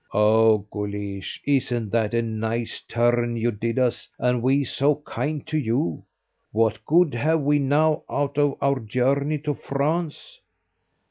"Oh! Guleesh, isn't that a nice turn you did us, and we so kind to you? What good have we now out of our journey to France.